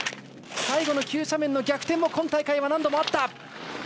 最後の急斜面の逆転も今大会は何度もあった。